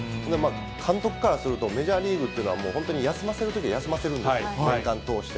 監督からすると、メジャーリーグっていうのは、本当に休ませるときは休ませるんですよ、年間通して。